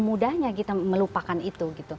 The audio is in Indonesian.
mudahnya kita melupakan itu